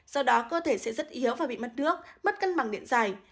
do đó cơ thể sẽ rất yếu và bị mất nước mất cân bằng điện dài